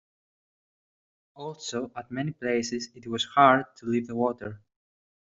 Also, at many places it was hard to leave the water.